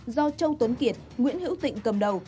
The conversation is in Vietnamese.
do châu tuấn kiệt nguyễn hữu tịnh cầm đầu